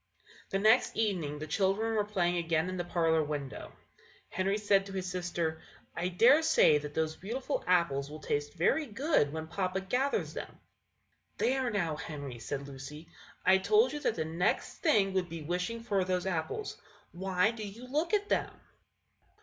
The next evening the children were playing again in the parlour window. Henry said to his sister, "I dare say that those beautiful apples will taste very good when papa gathers them." "There, now, Henry!" said Lucy; "I told you that the next thing would be wishing for those apples. Why do you look at them?"